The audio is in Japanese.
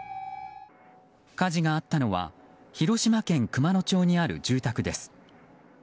火事があったのは広島県熊野町にある住宅です。